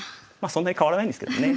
そんなに変わらないんですけどね。